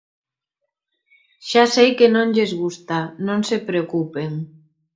Xa sei que non lles gusta, non se preocupen.